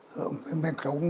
hướng về miền trung